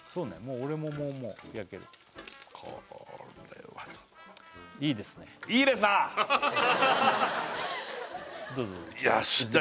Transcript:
俺ももうもう焼けるこれはいいですねどうぞどうぞよしじゃあ